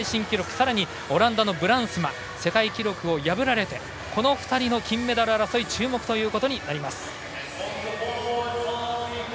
さらにオランダのブランスマ世界記録を破られてこの２人の金メダル争いに注目となります。